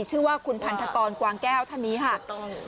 ชื่อว่าคุณพันธกรกวางแก้วธนิฮักษ์